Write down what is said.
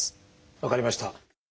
分かりました。